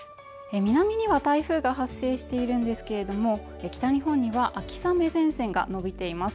南には台風が発生しているんですけれども北日本には秋雨前線が延びています